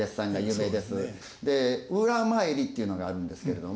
で「裏詣り」っていうのがあるんですけれども。